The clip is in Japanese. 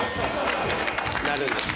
なるんです。